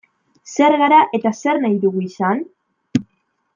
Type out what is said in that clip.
Zer gara eta zer nahi dugu izan?